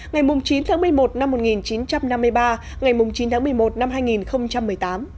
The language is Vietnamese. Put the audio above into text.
ngày chín tháng một mươi một năm một nghìn chín trăm năm mươi ba ngày chín tháng một mươi một năm hai nghìn một mươi tám